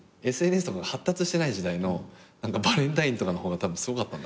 ＳＮＳとか発達してない時代のバレンタインとかの方がたぶんすごかったんだろうね。